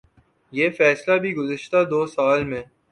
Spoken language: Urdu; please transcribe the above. یہ فیصلہ بھی گزشتہ دو سال میں